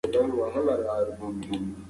نورې ورځې ته په کار کې مصروف يې.